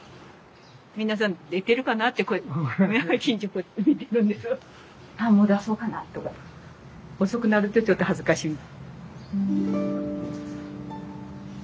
皆さん出てるかなってこうやって近所こうやって見てるんですがああもう出そうかなっとか。遅くなるとちょっと恥ずかしい。